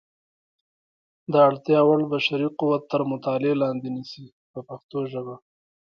د اړتیا وړ بشري قوت تر مطالعې لاندې نیسي په پښتو ژبه.